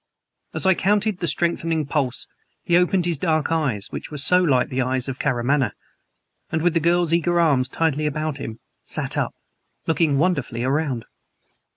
As I counted the strengthening pulse, he opened his dark eyes which were so like the eyes of Karamaneh and, with the girl's eager arms tightly about him, sat up, looking wonderingly around.